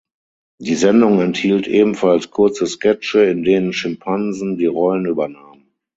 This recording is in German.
Die Sendung enthielt ebenfalls kurze Sketche, in denen Schimpansen die Rollen übernahmen.